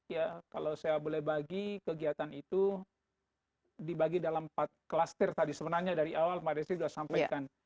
ya kalau saya boleh bagi kegiatan itu dibagi dalam empat klaster tadi sebenarnya dari awal mbak desi sudah sampaikan